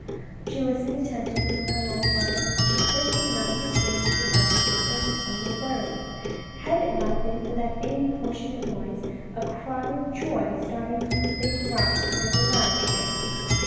She listened attentively for a long time and then she cursed the monotonous noise of the grasshopper and the song of the birds. " Had it not been for that importunate noise, a cry of joy starting from the big rocks could have arrived here."